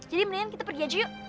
jadi mendingan kita pergi aja yuk